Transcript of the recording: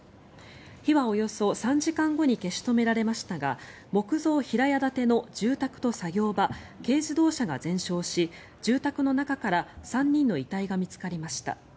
火はおよそ３時間後に消し止められましたが木造平屋建ての住宅と作業場軽自動車が全焼し住宅の中から３人の遺体が見つかりました。